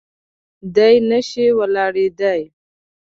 دی نه شي ولاړېدای.